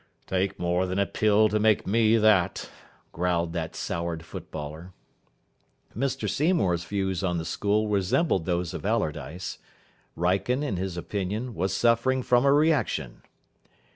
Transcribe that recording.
"Take more than a pill to make me that," growled that soured footballer. Mr Seymour's views on the school resembled those of Allardyce. Wrykyn, in his opinion, was suffering from a reaction.